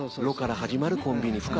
「ロ」から始まるコンビニ。